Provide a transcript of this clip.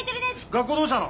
学校どうしたの？